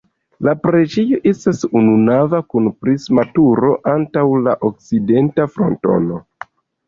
La preĝejo estas ununava kun prisma turo antaŭ la okcidenta frontono.